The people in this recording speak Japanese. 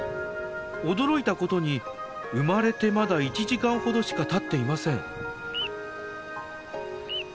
驚いたことに生まれてまだ１時間ほどしかたっていません。